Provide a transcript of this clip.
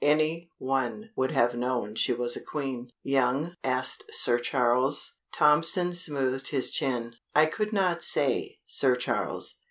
Any one would have known she was a Queen." "Young?" asked Sir Charles. Tompson smoothed his chin: "I could not say, Sir Charles.